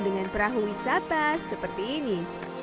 dengan perahu wisata seperti ini